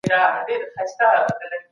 الهي روح د ژوند سرچینه ده.